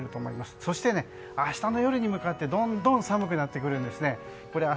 そして、明日の夜に向けてどんどん寒くなるんですね。